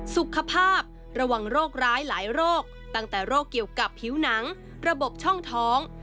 สุขภาพระวังโรคร้ายหลายโรคตั้งแต่โรคเกี่ยวกับผิวหนังระบบช่องท้อง